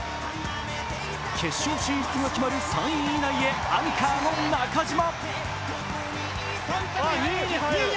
決勝進出が決まる３位以内へアンカーの中島。